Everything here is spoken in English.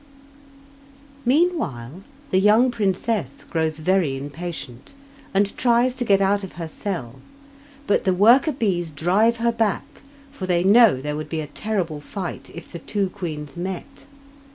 Meanwhile the young princess grows very impatient, and tries to get out of her cell, but the worker bees drive her back, for they know there would be a terrible fight if the two queens met.